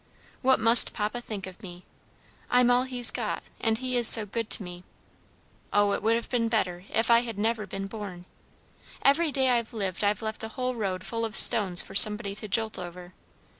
What must papa think of me? I'm all he's got, and he is so good to me! Oh, it would have been better if I had never been born! Every day I've lived I've left a whole road full of stones for somebody to jolt over.